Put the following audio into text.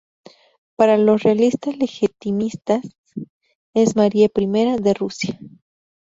Para los realistas legitimistas es María I de Rusia.